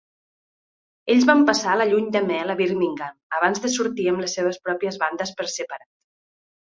Ells van passar la lluny de mel a Birmingham abans de sortir amb les seves pròpies bandes per separat.